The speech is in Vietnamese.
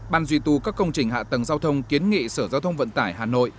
ban duy tu các công trình hạ tầng giao thông kiến nghị sở giao thông vận tải hà nội